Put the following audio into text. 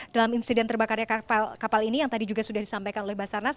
dalam insiden terbakarnya kapal ini yang tadi juga sudah disampaikan oleh basarnas